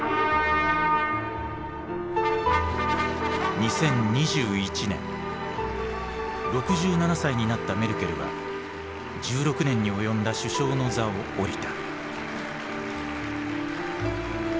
２０２１年６７歳になったメルケルは１６年に及んだ首相の座を降りた。